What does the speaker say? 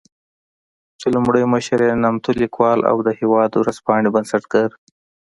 چې لومړی مشر يې نامتو ليکوال او د "هېواد" ورځپاڼې بنسټګر